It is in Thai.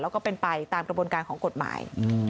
แล้วก็เป็นไปตามกระบวนการของกฎหมาย